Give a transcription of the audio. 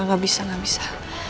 tidak tidak tidak bisa